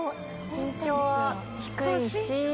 身長は低いし。